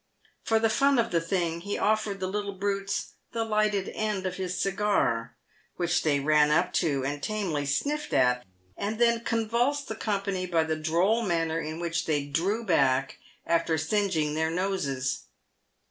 For the fun of the thing, he offered the little brutes the lighted end of his cigar, which they ran up to and tamely sniffed at, and then convulsed the company by the droll manner in which they drew back after singeing their noses.